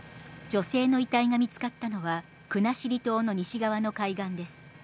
女性の遺体が見つかったのは、国後島の西側の海岸です。